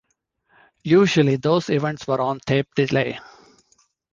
Usually, those events were on tape delay.